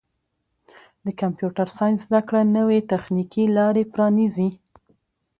د کمپیوټر ساینس زدهکړه نوې تخنیکي لارې پرانیزي.